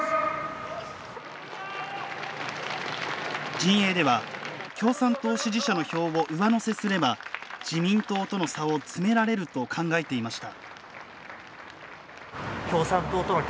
陣営では、共産党支持者の票を上乗せすれば自民党との差を詰められると考えていました。